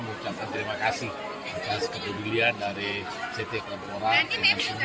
mengucapkan terima kasih atas kepedulian dari ct compora